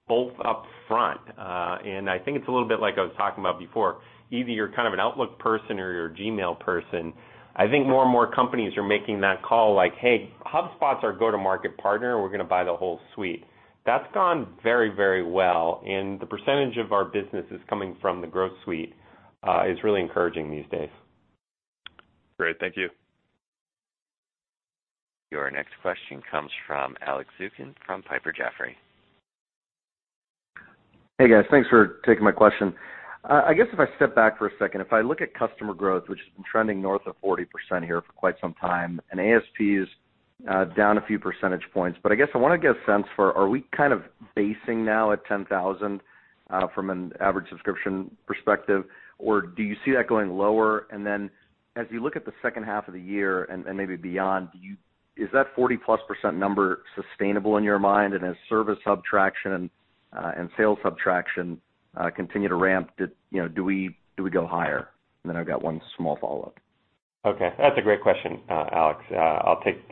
both up front. I think it's a little bit like I was talking about before. Either you're kind of an Outlook person or you're a Gmail person. I think more and more companies are making that call, like, "Hey, HubSpot's our go-to-market partner. We're going to buy the whole suite." That's gone very well, the percentage of our business that's coming from the Growth Suite is really encouraging these days. Great. Thank you. Your next question comes from Alex Zukin from Piper Jaffray. Hey, guys. Thanks for taking my question. I guess if I step back for a second, if I look at customer growth, which has been trending north of 40% here for quite some time, ASP is down a few percentage points. I guess I want to get a sense for, are we kind of basing now at 10,000 from an average subscription perspective, or do you see that going lower? Then as you look at the second half of the year and maybe beyond, is that 40-plus% number sustainable in your mind? As Service Hub and Sales Hub continue to ramp, do we go higher? Then I've got one small follow-up. Okay. That's a great question, Alex.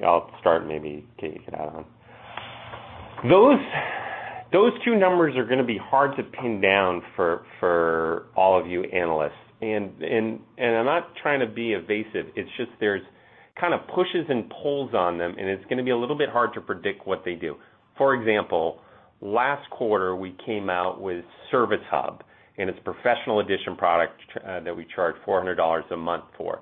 I'll start, maybe Kate you can add on. Those two numbers are going to be hard to pin down for all of you analysts. I'm not trying to be evasive. It's just there's kind of pushes and pulls on them, and it's going to be a little bit hard to predict what they do. For example, last quarter, we came out with Service Hub, and it's a professional edition product that we charge $400 a month for.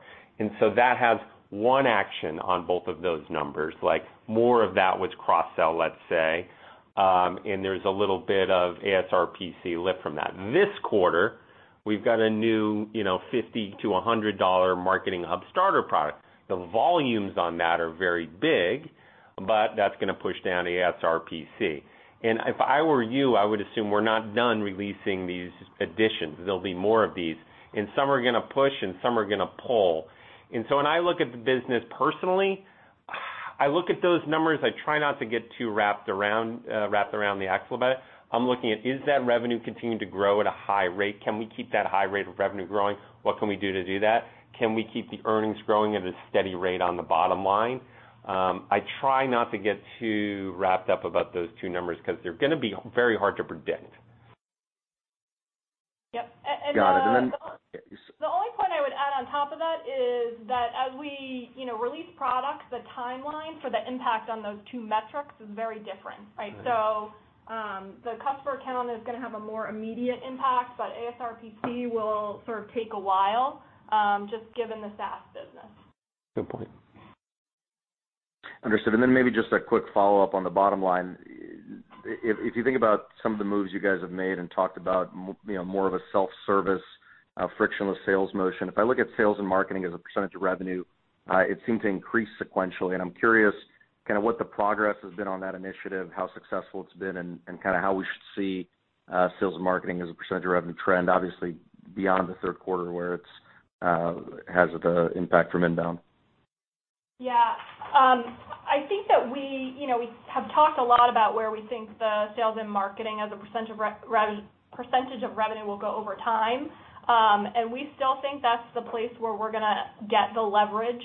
So that has one action on both of those numbers, like more of that was cross-sell, let's say, and there's a little bit of ASRPC lift from that. This quarter. We've got a new $50 to $100 Marketing Hub Starter product. The volumes on that are very big, that's going to push down the ASRPC. If I were you, I would assume we're not done releasing these additions. There'll be more of these, some are going to push, and some are going to pull. So when I look at the business personally, I look at those numbers. I try not to get too wrapped around the axle about it. I'm looking at, is that revenue continuing to grow at a high rate? Can we keep that high rate of revenue growing? What can we do to do that? Can we keep the earnings growing at a steady rate on the bottom line? I try not to get too wrapped up about those two numbers, because they're going to be very hard to predict. Yep. Got it. The only point I would add on top of that is that as we release products, the timeline for the impact on those two metrics is very different, right? Right. The customer count is going to have a more immediate impact, but ASRPC will sort of take a while, just given the SaaS business. Good point. Understood. Maybe just a quick follow-up on the bottom line. If you think about some of the moves you guys have made and talked about, more of a self-service, frictionless sales motion. If I look at sales and marketing as a percentage of revenue, it seemed to increase sequentially. I'm curious what the progress has been on that initiative, how successful it's been, and how we should see sales and marketing as a percentage of revenue trend, obviously beyond the third quarter where it has the impact from INBOUND. Yeah. I think that we have talked a lot about where we think the sales and marketing as a percentage of revenue will go over time. We still think that's the place where we're going to get the leverage,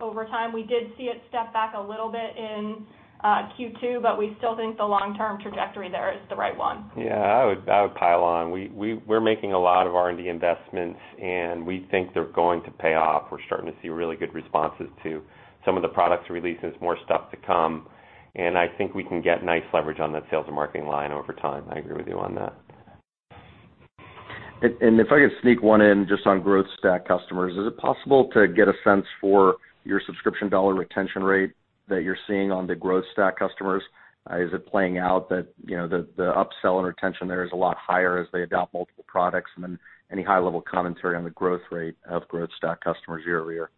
over time. We did see it step back a little bit in Q2, we still think the long-term trajectory there is the right one. Yeah, I would pile on. We're making a lot of R&D investments, we think they're going to pay off. We're starting to see really good responses to some of the products releases, more stuff to come, I think we can get nice leverage on that sales and marketing line over time. I agree with you on that. If I could sneak one in, just on Growth Stack customers, is it possible to get a sense for your subscription dollar retention rate that you're seeing on the Growth Stack customers? Is it playing out that the upsell and retention there is a lot higher as they adopt multiple products? Then any high-level commentary on the growth rate of Growth Stack customers year-over-year?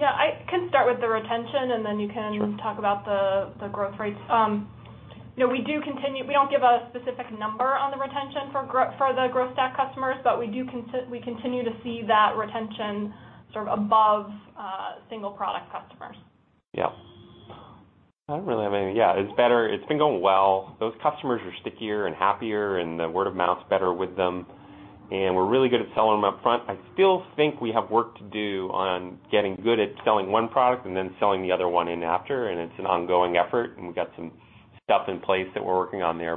I can start with the retention, then you can- Sure talk about the growth rates. We don't give a specific number on the retention for the Growth Suite customers, we continue to see that retention above single product customers. Yep. I don't really have anything. Yeah, it's better. It's been going well. Those customers are stickier and happier, the word of mouth's better with them, we're really good at selling them up front. I still think we have work to do on getting good at selling one product then selling the other one in after, it's an ongoing effort, we've got some stuff in place that we're working on there.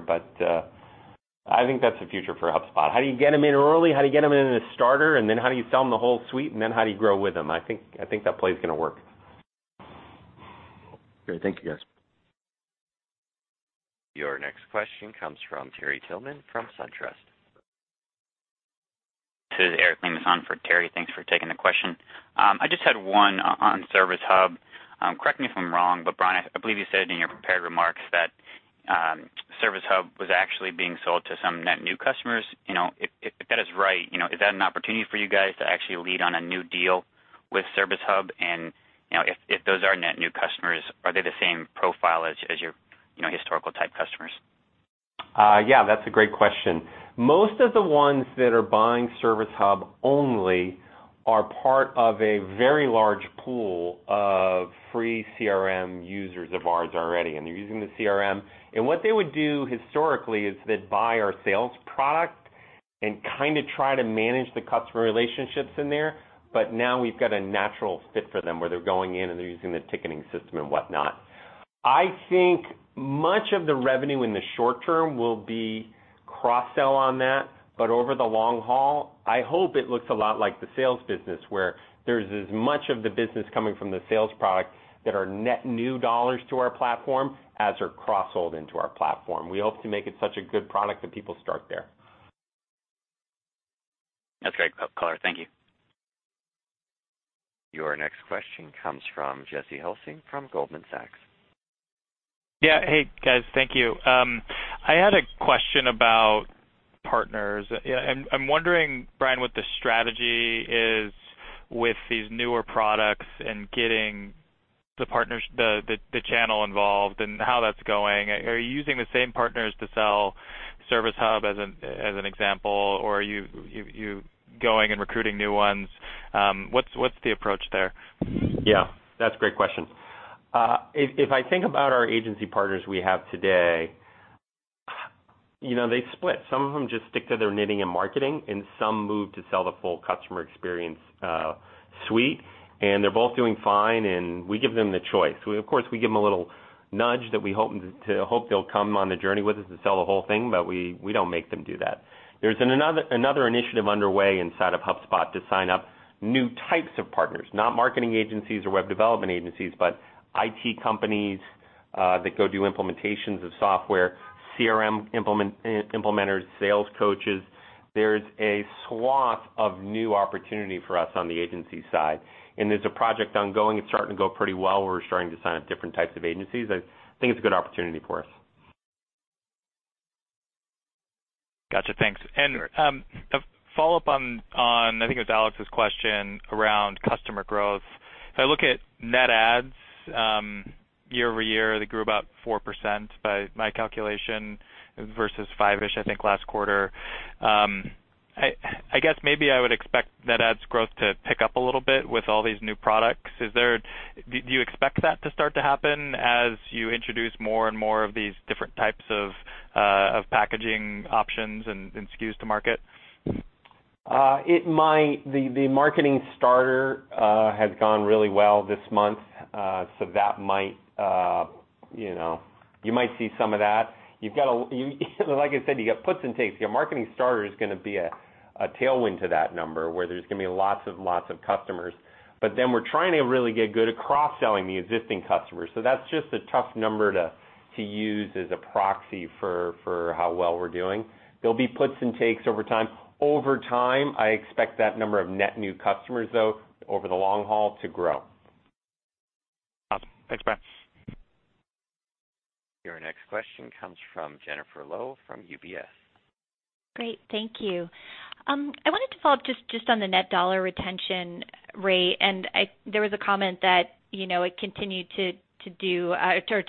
I think that's the future for HubSpot. How do you get them in early? How do you get them in as a Starter? Then how do you sell them the whole suite? Then how do you grow with them? I think that play's going to work. Great. Thank you, guys. Your next question comes from Terry Tillman from SunTrust. This is Eric Lemus for Terry. Thanks for taking the question. I just had one on Service Hub. Correct me if I'm wrong, but Brian, I believe you said in your prepared remarks that Service Hub was actually being sold to some net new customers. If that is right, is that an opportunity for you guys to actually lead on a new deal with Service Hub? If those are net new customers, are they the same profile as your historical type customers? Yeah, that's a great question. Most of the ones that are buying Service Hub only are part of a very large pool of free CRM users of ours already, and they're using the CRM. What they would do historically is they'd buy our sales product and kind of try to manage the customer relationships in there. Now we've got a natural fit for them, where they're going in and they're using the ticketing system and whatnot. I think much of the revenue in the short term will be cross-sell on that, but over the long haul, I hope it looks a lot like the sales business, where there's as much of the business coming from the sales product that are net new dollars to our platform as are cross-sold into our platform. We hope to make it such a good product that people start there. That's great color. Thank you. Your next question comes from Jesse Hulsing from Goldman Sachs. Yeah. Hey, guys. Thank you. I had a question about partners. I'm wondering, Brian, what the strategy is with these newer products and getting the channel involved and how that's going. Are you using the same partners to sell Service Hub, as an example, or are you going and recruiting new ones? What's the approach there? Yeah, that's a great question. If I think about our agency partners we have today, they split. Some of them just stick to their knitting and marketing, and some move to sell the full customer experience suite, and they're both doing fine, and we give them the choice. Of course, we give them a little nudge that we hope they'll come on the journey with us to sell the whole thing, but we don't make them do that. There's another initiative underway inside of HubSpot to sign up new types of partners, not marketing agencies or web development agencies, but IT companies that go do implementations of software, CRM implementers, sales coaches. There's a swath of new opportunity for us on the agency side, and there's a project ongoing. It's starting to go pretty well. We're starting to sign up different types of agencies. I think it's a good opportunity for us. Gotcha. Thanks. A follow-up on, I think it was Alex Zukin's question around customer growth. If I look at net adds year-over-year, they grew about 4%, by my calculation, versus five-ish, I think, last quarter. I guess maybe I would expect net adds growth to pick up a little bit with all these new products. Do you expect that to start to happen as you introduce more and more of these different types of packaging options and SKUs to market? It might. The Marketing Starter has gone really well this month, so you might see some of that. Like I said, you got puts and takes. Your Marketing Starter is going to be a tailwind to that number, where there's going to be lots and lots of customers. We're trying to really get good at cross-selling the existing customers. That's just a tough number to use as a proxy for how well we're doing. There'll be puts and takes over time. Over time, I expect that number of net new customers, though, over the long haul, to grow. Awesome. Thanks, Brian. Your next question comes from Jennifer Lowe from UBS. Great. Thank you. I wanted to follow up just on the net dollar retention rate. There was a comment that it continued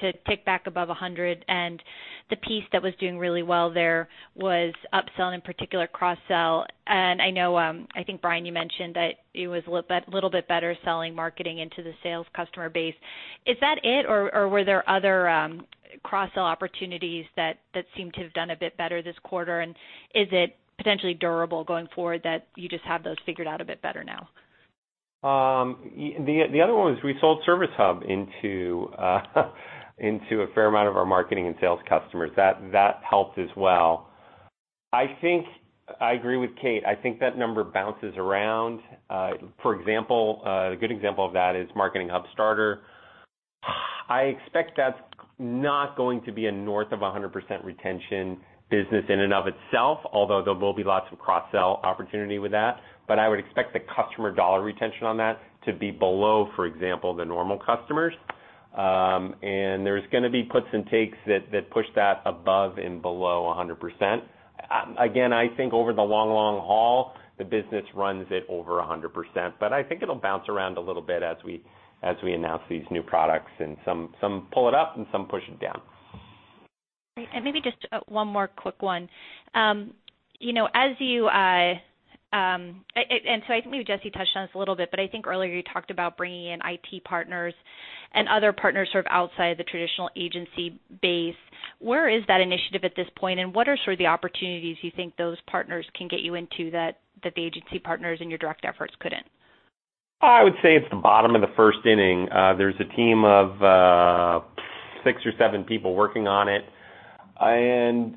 to tick back above 100, and the piece that was doing really well there was upselling, in particular cross-sell. I think, Brian, you mentioned that it was a little bit better selling marketing into the sales customer base. Is that it, or were there other cross-sell opportunities that seem to have done a bit better this quarter, and is it potentially durable going forward that you just have those figured out a bit better now? The other one was we sold Service Hub into a fair amount of our marketing and sales customers. That helped as well. I agree with Kate. I think that number bounces around. A good example of that is Marketing Hub Starter. I expect that's not going to be a north of 100% retention business in and of itself, although there will be lots of cross-sell opportunity with that. I would expect the customer dollar retention on that to be below, for example, the normal customers. There's going to be puts and takes that push that above and below 100%. Again, I think over the long, long haul, the business runs at over 100%, but I think it'll bounce around a little bit as we announce these new products, and some pull it up and some push it down. Great. Maybe just one more quick one. I think maybe Jesse touched on this a little bit, but I think earlier you talked about bringing in IT partners and other partners sort of outside the traditional agency base. Where is that initiative at this point, and what are sort of the opportunities you think those partners can get you into that the agency partners and your direct efforts couldn't? I would say it's the bottom of the first inning. There's a team of six or seven people working on it.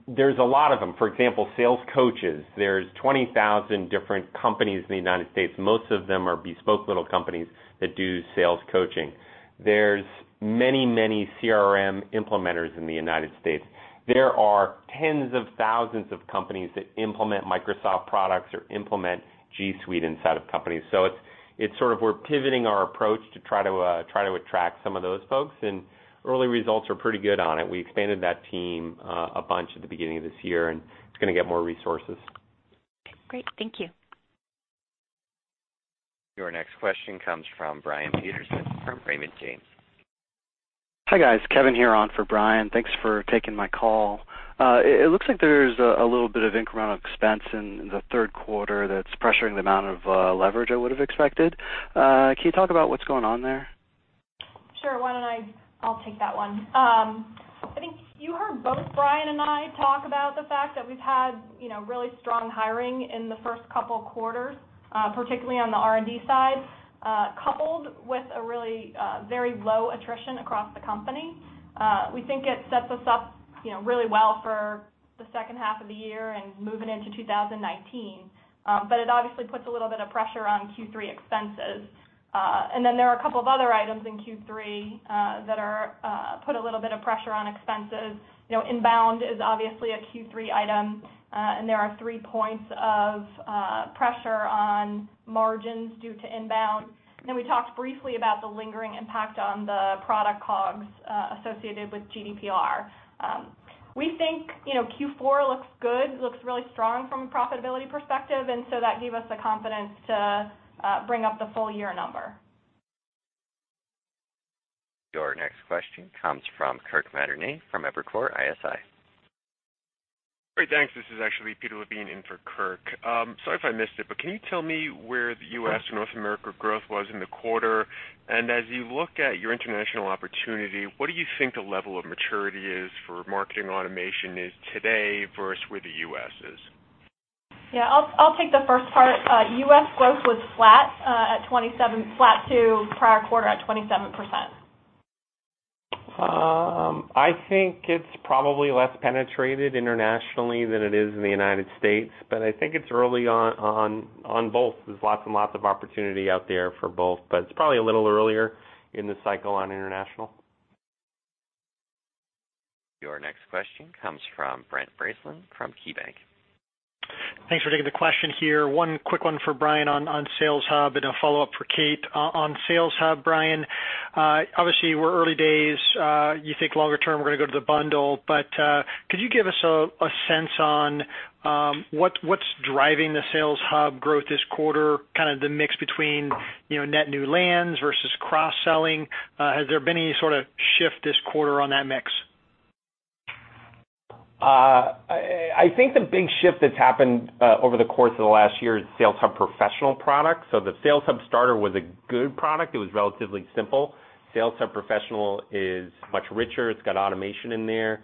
There's a lot of them. For example, sales coaches. There's 20,000 different companies in the United States. Most of them are bespoke little companies that do sales coaching. There's many, many CRM implementers in the United States. There are tens of thousands of companies that implement Microsoft products or implement G Suite inside of companies. It's sort of we're pivoting our approach to try to attract some of those folks, and early results are pretty good on it. We expanded that team a bunch at the beginning of this year, and it's going to get more resources. Great. Thank you. Your next question comes from Brian Peterson from Raymond James. Hi, guys. Kevin here on for Brian. Thanks for taking my call. It looks like there's a little bit of incremental expense in the third quarter that's pressuring the amount of leverage I would have expected. Can you talk about what's going on there? Sure. Why don't I take that one? I think you heard both Brian and I talk about the fact that we've had really strong hiring in the first couple quarters, particularly on the R&D side, coupled with a really very low attrition across the company. We think it sets us up really well for the second half of the year and moving into 2019. It obviously puts a little bit of pressure on Q3 expenses. There are a couple of other items in Q3 that put a little bit of pressure on expenses. INBOUND is obviously a Q3 item, and there are three points of pressure on margins due to INBOUND. We talked briefly about the lingering impact on the product COGS associated with GDPR. We think Q4 looks good, looks really strong from a profitability perspective, so that gave us the confidence to bring up the full year number. Your next question comes from Kirk Materne from Evercore ISI. Great. Thanks. This is actually Peter Levine in for Kirk. Sorry if I missed it, but can you tell me where the U.S. or North America growth was in the quarter? As you look at your international opportunity, what do you think the level of maturity is for marketing automation is today versus where the U.S. is? Yeah, I'll take the first part. U.S. growth was flat to prior quarter at 27%. I think it's probably less penetrated internationally than it is in the U.S., I think it's early on both. There's lots and lots of opportunity out there for both, it's probably a little earlier in the cycle on international. Your next question comes from Brent Bracelin from KeyBanc Capital Markets. Thanks for taking the question here. One quick one for Brian on Sales Hub, and a follow-up for Kate. On Sales Hub, Brian, obviously we're early days. You think longer term we're going to go to the bundle, could you give us a sense on what's driving the Sales Hub growth this quarter, kind of the mix between net new lands versus cross-selling? Has there been any sort of shift this quarter on that mix? I think the big shift that's happened over the course of the last year is Sales Hub Professional product. The Sales Hub Starter was a good product. It was relatively simple. Sales Hub Professional is much richer. It's got automation in there,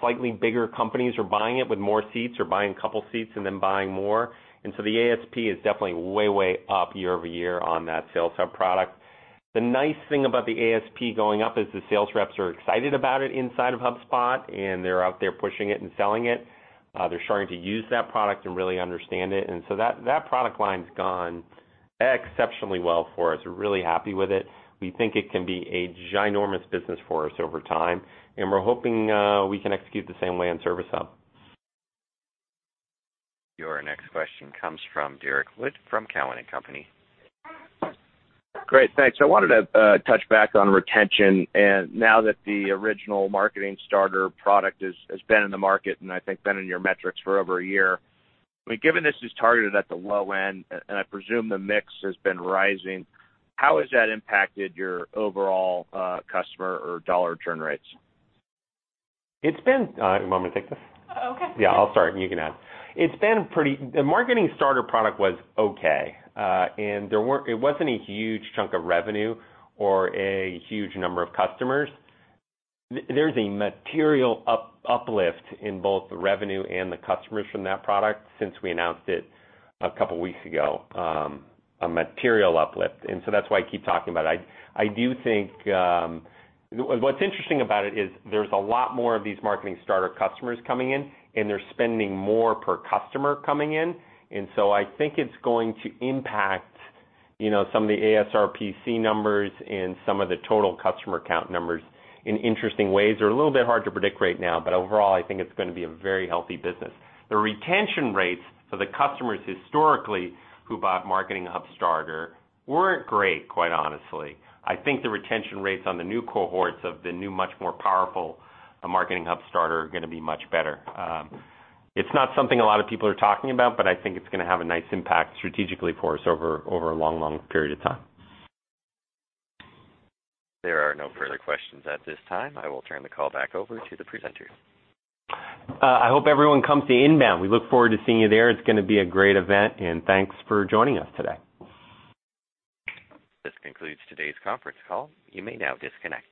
slightly bigger companies are buying it with more seats or buying a couple seats and then buying more. The ASP is definitely way up year-over-year on that Sales Hub product. The nice thing about the ASP going up is the sales reps are excited about it inside of HubSpot, they're out there pushing it and selling it. They're starting to use that product and really understand it, that product line's gone exceptionally well for us. We're really happy with it. We think it can be a ginormous business for us over time, and we're hoping we can execute the same way on Service Hub. Your next question comes from Derrick Wood from Cowen and Company. Great. Thanks. I wanted to touch back on retention, and now that the original Marketing Hub Starter product has been in the market, and I think been in your metrics for over one year, given this is targeted at the low end, and I presume the mix has been rising, how has that impacted your overall customer or dollar churn rates? Do you want me to take this? Okay. I'll start and you can add. The Marketing Hub Starter product was okay. It wasn't a huge chunk of revenue or a huge number of customers. There's a material uplift in both the revenue and the customers from that product since we announced it a couple weeks ago, a material uplift. That's why I keep talking about it. What's interesting about it is there's a lot more of these Marketing Hub Starter customers coming in, and they're spending more per customer coming in. I think it's going to impact some of the ASRPC numbers and some of the total customer count numbers in interesting ways. They're a little bit hard to predict right now, but overall, I think it's going to be a very healthy business. The retention rates for the customers historically who bought Marketing Hub Starter weren't great, quite honestly. I think the retention rates on the new cohorts of the new, much more powerful Marketing Hub Starter are going to be much better. It's not something a lot of people are talking about, but I think it's going to have a nice impact strategically for us over a long period of time. There are no further questions at this time. I will turn the call back over to the presenters. I hope everyone comes to INBOUND. We look forward to seeing you there. It's going to be a great event, thanks for joining us today. This concludes today's conference call. You may now disconnect.